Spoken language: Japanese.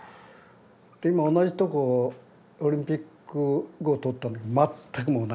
で今同じとこをオリンピック後通ったんだけど全くもうない。